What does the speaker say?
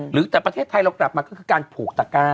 หรือแต่ประเทศไทยเรากลับมาก็คือการผูกตะก้า